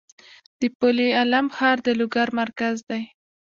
د پل علم ښار د لوګر مرکز دی